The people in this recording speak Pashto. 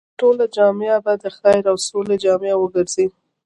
ټوله جامعه به د خير او سولې جامعه وګرځي.